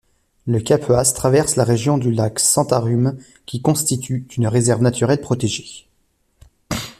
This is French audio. Le Kapuas traverse la région du lac Sentarum qui constitue une réserve naturelle protégée.